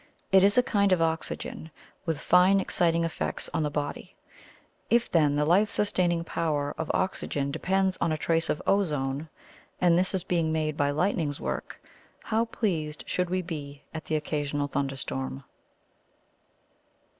It is a kind of oxygen, with fine exciting effects on the body. If, then, the life sustaining power of oxygen depends on a trace of ozone, and this is being made by lightning's work, how pleased should we be at the occasional thunder storm!